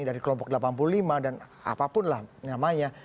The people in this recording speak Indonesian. dari kelompok delapan puluh lima dan apapun lah namanya